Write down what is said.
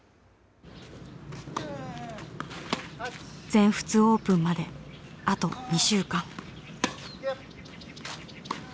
全仏オープンまであと２週間。